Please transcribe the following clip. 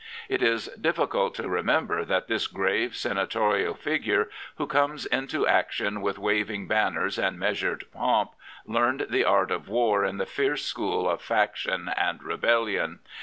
It is difficult to remember that this grave, senatorial figure, who comes into action with waving banners and measured pomp, learned the art of war in the fierce school of faction and rebellion.